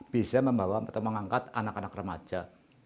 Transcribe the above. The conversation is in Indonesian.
bisa membawa atau mengangkat anak anak remaja